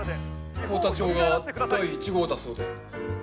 幸田町が第一号だそうで。